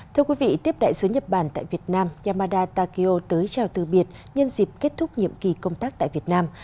thưa quý vị tiếp đại sứ nhật bản tại việt nam yamada takeo tới chào từ biệt nhân dịp kết thúc nhiệm kỳ công tác tại việt nam